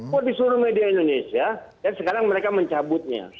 kok disuruh media indonesia dan sekarang mereka mencabutnya